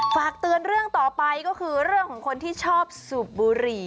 ฝากเตือนเรื่องต่อไปก็คือเรื่องของคนที่ชอบสูบบุหรี่